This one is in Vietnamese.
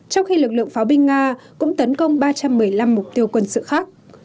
trong khi lực lượng pháo binh nga cũng tấn công ba trăm một mươi năm mục tiêu quân sự khác